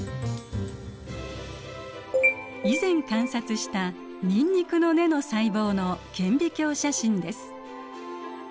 以前観察したニンニクの根の細胞の顕微鏡写真です。